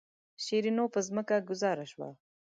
شیرینو پر ځمکه غوځاره شوه.